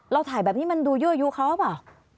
ถ่ายแบบนี้มันดูยั่วยู้เขาหรือเปล่า